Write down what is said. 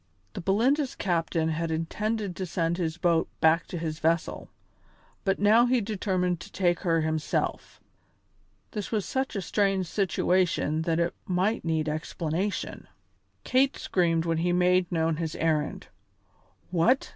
The Belinda's captain had intended to send his boat back to his vessel, but now he determined to take her himself. This was such a strange situation that it might need explanation. Kate screamed when he made known his errand. "What!"